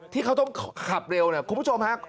ที่เขาต้องขับเร็วเนี่ยคุณผู้ชมฮะ